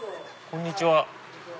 こんにちは。